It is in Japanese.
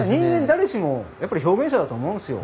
誰しもやっぱり表現者だと思うんすよ。